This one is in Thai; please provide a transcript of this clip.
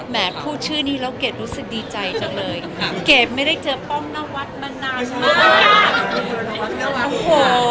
พูดชื่อนี้แล้วเกดรู้สึกดีใจจังเลยเกดไม่ได้เจอป้อมนวัดมานานมากโอ้โห